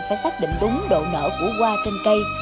phải xác định đúng độ nở của hoa trên cây